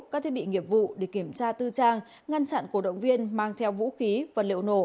các thiết bị nghiệp vụ để kiểm tra tư trang ngăn chặn cổ động viên mang theo vũ khí vật liệu nổ